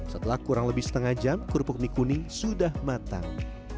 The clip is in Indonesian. setelah kurang lebih setengah jam kerupuk mie kuning sudah matang